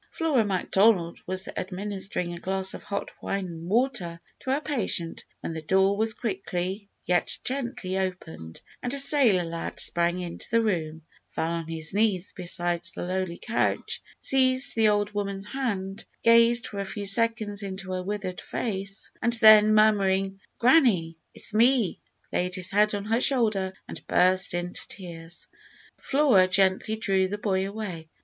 Flora Macdonald was administering a glass of hot wine and water to her patient, when the door was quickly, yet gently, opened, and a sailor lad sprang into the room, fell on his knees beside the lowly couch, seized the old woman's hand, gazed for a few seconds into her withered face, and then murmuring, "Granny, it's me," laid his head on her shoulder and burst into tears. Flora gently drew the boy away.